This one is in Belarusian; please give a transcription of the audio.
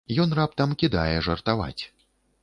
Ён раптам кідае жартаваць.